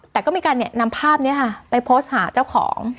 แต่ก็มีการนำภาพนี้ค่ะไปโพสต์หาเจ้าของ